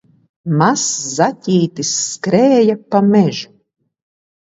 Mazs zaķītis skrēja pa mežu